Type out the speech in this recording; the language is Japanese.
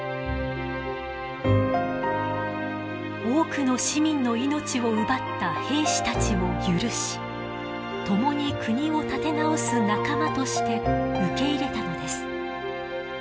多くの市民の命を奪った兵士たちを許し共に国を立て直す仲間として受け入れたのです。